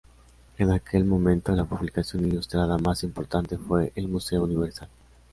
En aquel momento la publicación ilustrada más importante fue "El Museo Universal".